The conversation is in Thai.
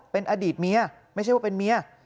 เป็นอดีตเมียไม่ใช่ว่าเป็นเมีย